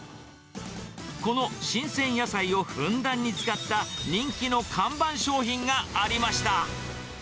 この新鮮野菜をふんだんに使った、人気の看板商品がありました。